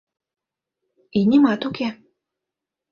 — И нимат уке...